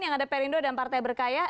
yang ada perindo dan partai berkarya